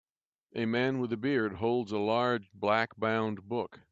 A man with a beard holds a large blackbound book